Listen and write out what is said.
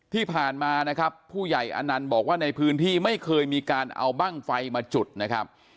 ที่ผ่านมานะครับผู้ใหญ่อนันต์บอกว่าในพื้นที่ไม่เคยมีการเอาบ้างไฟมาจุดนะครับ